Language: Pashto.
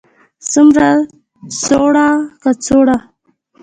څومره, څوړه، کڅوړه